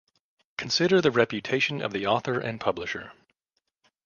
Consider the reputation of the author and publisher.